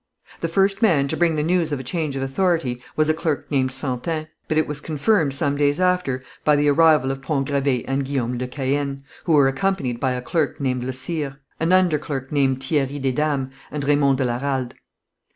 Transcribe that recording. The first man to bring the news of a change of authority was a clerk named Santein, but it was confirmed some days after by the arrival of Pont Gravé and Guillaume de Caën, who were accompanied by a clerk named Le Sire, an underclerk named Thierry Desdames, and Raymond de la Ralde.